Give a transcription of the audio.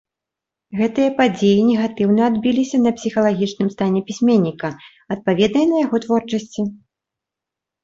Гэтыя падзеі негатыўна адбіліся на псіхалагічным стане пісьменніка, адпаведна і на яго творчасці.